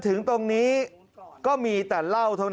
แต่ตอนนี้ติดต่อน้องไม่ได้